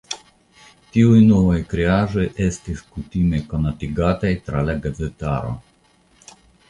Tiuj novaj kreaĵoj estis kutime konatigataj tra la gazetaro.